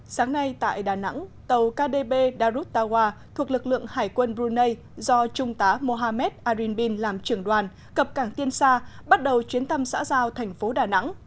sáng nay tại đà nẵng tàu kdp darut tawah thuộc lực lượng hải quân brunei do trung tá mohammed arimbin làm trưởng đoàn cập cảng tiên sa bắt đầu chuyến thăm xã giao thành phố đà nẵng